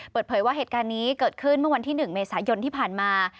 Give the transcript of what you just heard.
เปิดเผยว่าเหตุการณ์นี้เกิดขึ้นเมื่อวันที่๑เมษายนที่ผ่านมา